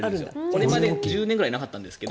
これまで１０年ぐらいなかったんですけど。